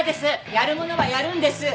やるものはやるんです。